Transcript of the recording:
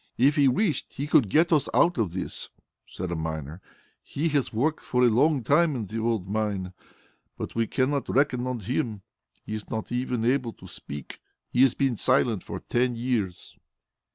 "If he wished, he could get us out of this," said a miner. "He worked for a long time in the old mine. But we cannot reckon on him; he is not even able to speak. He has been silent for ten years."